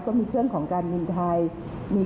ก็มีเครื่องของการบินไทย